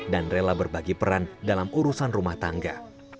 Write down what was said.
dan rela berbagi peran dalam urusan rumah tangga